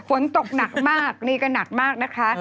ฝนตกหนักมากนี่ก็หนักมากนะคะ